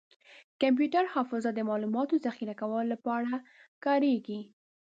کمپیوټر حافظه د معلوماتو ذخیره کولو لپاره کارېږي.